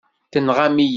Tenɣam-iyi-tt.